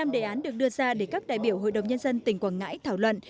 năm đề án được đưa ra để các đại biểu hội đồng nhân dân tỉnh quảng ngãi thảo luận